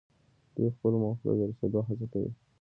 دوی خپلو موخو ته د رسیدو هڅه کوي.